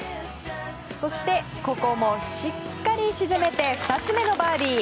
そして、ここもしっかり沈めて２つ目のバーディー。